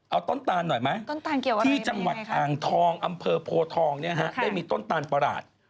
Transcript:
เอาต้นตานหน่อยไหมที่จังหวัดอ่างทองอำเภอโพทองเนี่ยฮะได้มีต้นตาลประหลาด